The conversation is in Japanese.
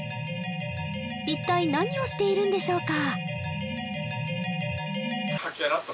一体何をしているんでしょうか？